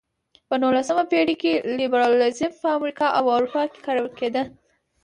په نولسمه پېړۍ کې لېبرالیزم په امریکا او اروپا کې کارول کېده.